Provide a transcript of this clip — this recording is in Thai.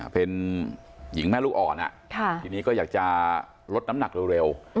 เป็นหญิงแม่ลูกอ่อนทีนี้ก็อยากจะลดน้ำหนักเร็ว